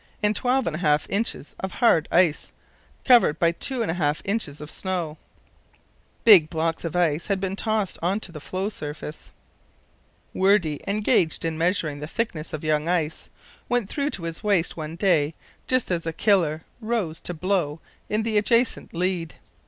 in 12½ in. of hard ice, covered by 2½ in. of snow. Big blocks of ice had been tossed on to the floe surface. Wordie, engaged in measuring the thickness of young ice, went through to his waist one day just as a killer rose to blow in the adjacent lead.